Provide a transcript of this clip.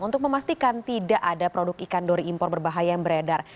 untuk memastikan tidak ada produk ikan dori impor berbahaya yang beredar